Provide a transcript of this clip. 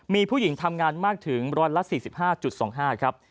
มีผู้หญิงทำงานมากถึง๑๔๕๒๕ครับ